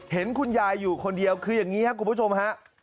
เห็นคุณยายอยู่คนเดียวคืออย่างนี้ครับคุณผู้ชมฮะ